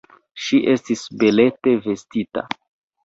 Ŝi estis belete vestita.